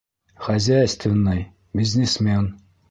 Хозяйственный, бизнесмен!